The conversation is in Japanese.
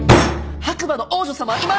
白馬の王女様はいます！